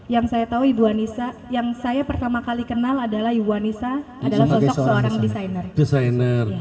yang saya tahu ibu anissa yang saya pertama kali kenal adalah ibu anissa adalah sosok seorang desainer